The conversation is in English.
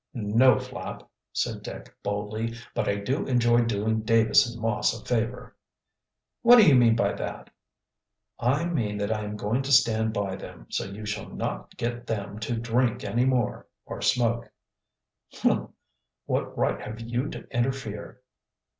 "No, Flapp," said Dick boldly, "but I do enjoy doing Davis and Moss a favor." "What do you mean by that?" "I mean that I am going to stand by them, so you shall not get them to drink any more or smoke." "Humph! What right have you to interfere?"